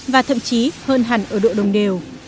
và thậm chí hơn hẳn ở độ đồng đều